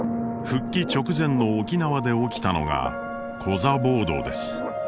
復帰直前の沖縄で起きたのが「コザ暴動」です。